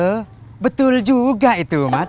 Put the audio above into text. loh betul juga itu mat